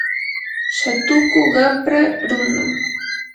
shatuku qapra runam.